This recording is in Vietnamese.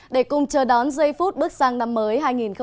để cùng chờ đón giây phút bước sang năm mới hai nghìn hai mươi